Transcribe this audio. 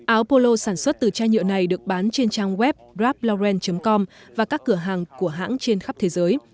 áo polo sản xuất từ chai nhựa này được bán trên trang web rapplauren com và các cửa hàng của hãng trên khắp thế giới